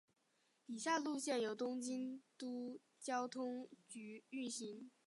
以下路线由东京都交通局运行。